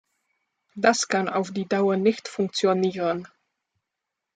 Das kann auf die Dauer nicht funktionieren.